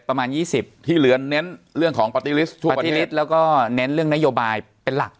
ประมาณ๒๐ที่เหลือเน้นเรื่องของปาร์ตี้ลิสต์ทุกปาร์ตีนิตแล้วก็เน้นเรื่องนโยบายเป็นหลัก